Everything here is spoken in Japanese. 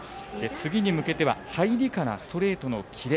次に向けては、入りからストレートのキレ。